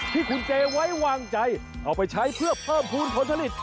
ที่คุณเจไว้วางใจเอาไปใช้เพื่อเพิ่มภูมิผลผลิต